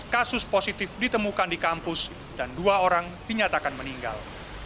dua puluh kasus positif ditemukan di kampus dan dua orang dinyatakan meninggal